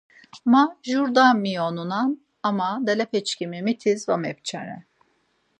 Ma jur da miyonunan ama dalepeçkimi mitis var mepçare.